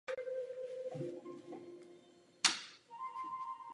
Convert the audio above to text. Vyzvednutí části vraku se podařilo uskutečnit navzdory přítomnosti sovětského plavidla.